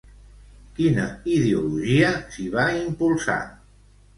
Quina ideologia s'hi va impulsar?